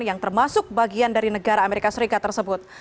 yang termasuk bagian dari negara amerika serikat tersebut